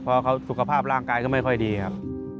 เพราะเขาสุขภาพร่างกายก็ไม่ค่อยดีครับ